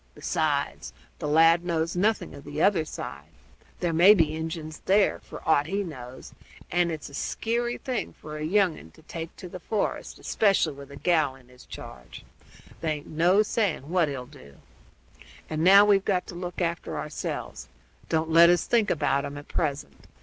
Besides, the lad knows nothing of the other side; there may be Injuns there, for aught he knows, and it's a skeary thing for a young un to take to the forest, especially with a gal in his charge. There aint no saying what he'll do. And now we've got to look after ourselves; don't let us think about 'em at present.